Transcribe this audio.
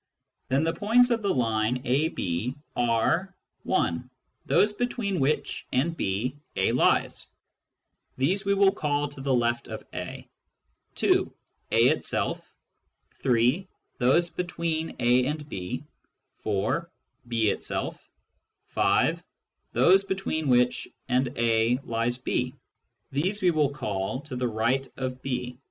Then the points of the line (ab) are (i) those between which $\ndj a lies — these we will call to the left of a ; (2) a itself ; (3) those between a and b ; (4) b itself ; (5) those between which and a lies b — these we will call to the right of b.